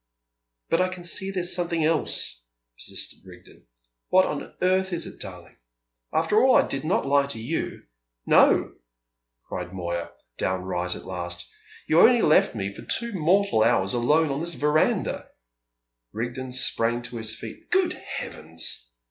"But I can see there's something else," persisted Rigden. "What on earth is it, darling? After all I did not lie to you!" "No," cried Moya, downright at last; "you only left me for two mortal hours alone on this verandah!" Rigden sprang to his feet. "Good heavens!"